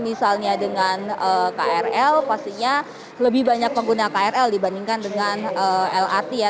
misalnya dengan krl pastinya lebih banyak pengguna krl dibandingkan dengan lrt ya